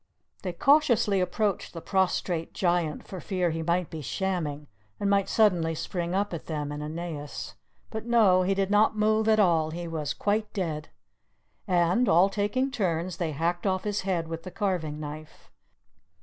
They cautiously approached the prostrate Giant, for fear he might be shamming, and might suddenly spring up at them and Aeneas. But no, he did not move at all; he was quite dead. And, all taking turns, they hacked off his head with the carving knife.